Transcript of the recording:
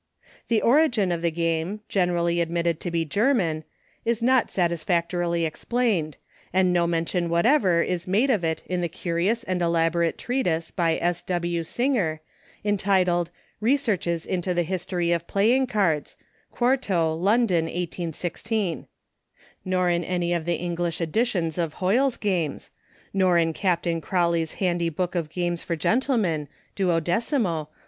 The origin of the game — generally ad mitted to be German — is not satisfactorily explained, and no mention whatever is made of it in the curious and elaborate treatise by S. W. Singer, entitled Eesearches into the History of Playing Cards, 4to., London, 1816 ; nor in any of the English editions of Hoyle's Games; nor in Captain Crawley's Handy Book of Games for Gentlemen, 12mo.